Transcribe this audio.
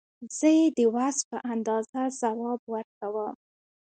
زه یې د وس په اندازه ځواب ورکوم.